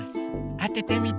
あててみて。